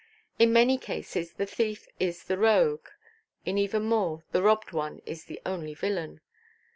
In many cases, the thief is the rogue; in even more, the robbed one is the only villain.